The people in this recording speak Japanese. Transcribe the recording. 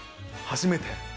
初めて。